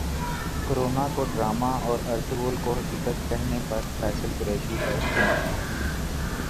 corona کو drama اور Ertugrul کو حقیقت کہنے پر فیصل قریشی پر تنقید